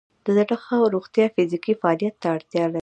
د زړه ښه روغتیا فزیکي فعالیت ته اړتیا لري.